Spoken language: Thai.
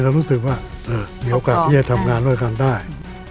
แล้วรู้สึกว่ามีโอกาสให้ทำงานร่วมกันได้